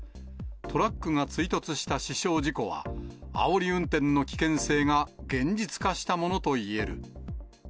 トラックが追突した死傷事故は、あおり運転の危険性が現実化したものといえる。